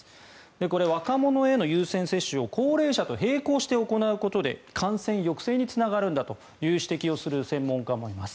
これ、若者への優先接種を高齢者と並行して行うことで、感染抑制につながるんだと指摘する専門家もいます。